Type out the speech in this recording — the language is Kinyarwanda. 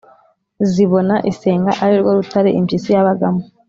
zibona isenga, ari rwo rutare impyisi yabagamo,